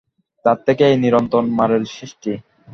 তার থেকে এই নিরন্তর মারের সৃষ্টি।